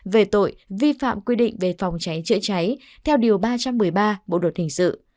về tội vi phạm quy định về phòng cháy chữa cháy theo điều ba trăm một mươi ba bộ luật hình sự